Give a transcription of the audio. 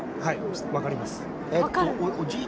分かります。